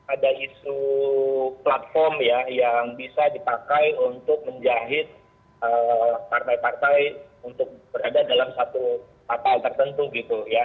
ada isu platform ya yang bisa dipakai untuk menjahit partai partai untuk berada dalam satu kapal tertentu gitu ya